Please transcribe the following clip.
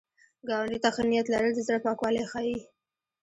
ګاونډي ته ښه نیت لرل، د زړه پاکوالی ښيي